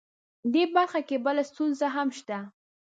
دې برخه کې بله ستونزه هم شته